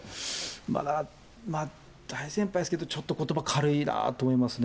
まあ、大先輩ですけど、ちょっとことば軽いなって思いますよね。